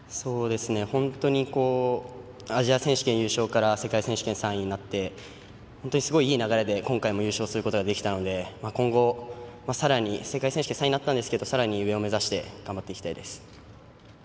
本当にアジア選手権優勝から世界選手権３位になって本当にすごいいい流れで今回も優勝することができたので今後、さらに世界選手権３位になったんですがさらに上を目指して頑張っていきたいです。